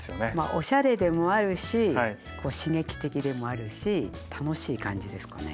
おしゃれでもあるし刺激的でもあるし楽しい感じですかね。